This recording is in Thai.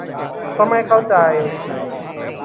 ก็ไม่เข้าใจ